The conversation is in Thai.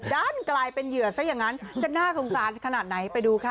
ด้านกลายเป็นเหยื่อซะอย่างนั้นจะน่าสงสารขนาดไหนไปดูค่ะ